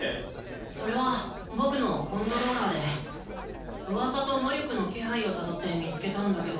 それは僕の「感覚強盗」でうわさと魔力の気配をたどって見つけたんだけど。